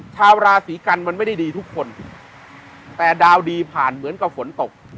ชาวราศีกันมันไม่ได้ดีทุกคนแต่ดาวดีผ่านเหมือนกับฝนตก